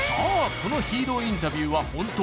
このヒーローインタビューはホント？